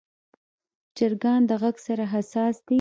چرګان د غږ سره حساس دي.